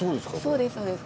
そうですそうです。